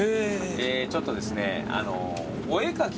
ちょっとですね。